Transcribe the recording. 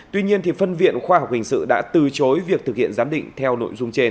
tuy nhiên phân viện khoa học hình sự đã từ chối việc thực hiện giám định theo nội dung trên